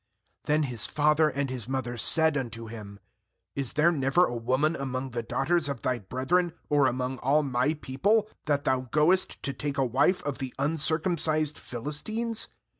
3Then 'his father and his mother said unto him: 'Is there never a woman among the daughters of thy brethren, or among all my people, that thou goest to take a wife of the uncircumcised Philistines?'